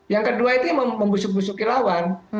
yang kedua itu membusuk busuki lawan